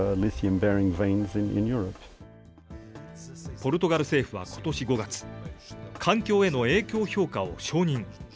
ポルトガル政府はことし５月、環境への影響評価を承認。